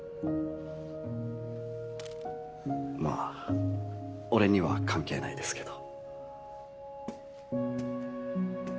まあ俺には関係ないですけど。